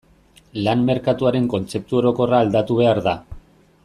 Lan merkatuaren kontzeptu orokorra aldatu behar da.